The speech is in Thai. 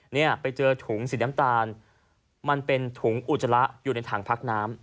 เนี่ยไปเจอถุงสีน้ำตาลมันเป็นถุงอุจจาระอยู่ในถังพักน้ำ